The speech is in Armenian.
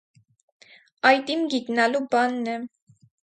- Այդ իմ գիտնալու բանն է: